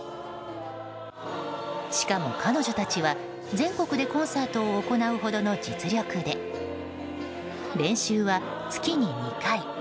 しかも彼女たちは全国でコンサートを行うほどの実力で、練習は月に２回。